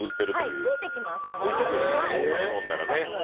多分ついてきます。